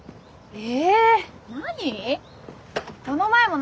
え？